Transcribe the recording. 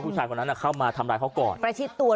ผู้ชายคนนั้นเข้ามาทำร้ายเขาก่อนประชิดตัว